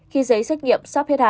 khi giấy xét nghiệm